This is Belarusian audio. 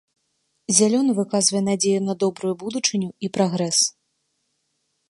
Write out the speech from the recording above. Зялёны выказвае надзею на добрую будучыню і прагрэс.